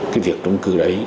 cái việc trung cư đấy